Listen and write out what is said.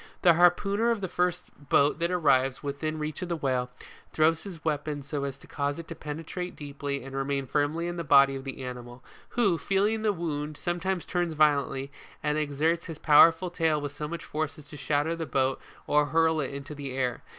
The harpooner of the first boat that arrives within reach of the whale, throws his weapon so as to cause it to penetrate deeply and remain firmly in the body of the animal, who, feeling the wound, sometimes turns violently, and exerts his powerful tail with so much force as to shatter the boat or hurl it into the air.